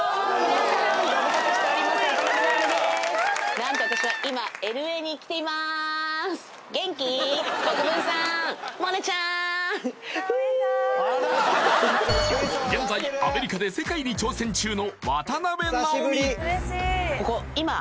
何と現在アメリカで世界に挑戦中の